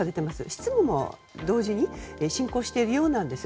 執務も同時に進行しているようです。